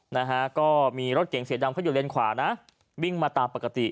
นะฮะก็มีรถเก่งเสียดำเขาอยู่เลนขวานะวิ่งมาตามปกติ